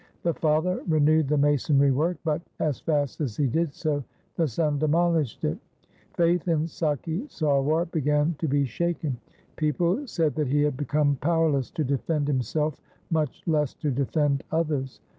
The father renewed the masonry work but, as fast as he did so, the son demolished it. Faith in Sakhi Sarwar began to be shaken. People said that he had become powerless to defend himself, much less to defend others.